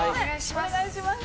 お願いします。